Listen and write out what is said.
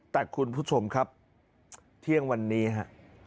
แต่คุณผู้ชมครับเที่ยงวันนี้ฮะ